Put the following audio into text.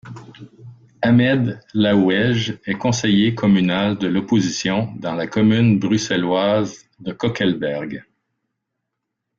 Ahmed Laaouej est conseiller communal de l’opposition dans la commune bruxelloise de Koekelberg.